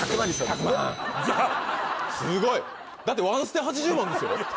じゃあすごいだって１ステ８０万ですよ